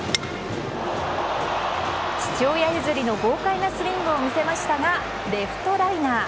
父親譲りの豪快なスイングを見せましたがレフトライナー。